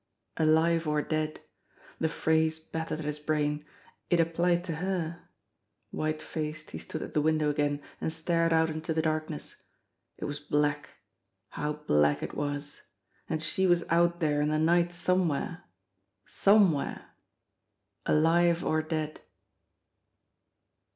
Alive or dead! The phrase battered at his brain. It ap* plied to her. White faced he stood at the window again, and stared out into the darkness. It was black ! How black it was! And she was out there in the night somewhere somewhere alive or dead.